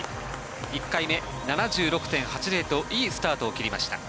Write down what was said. １回目は７６．８０といいスタートを切りました。